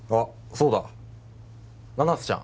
そうだ七瀬ちゃん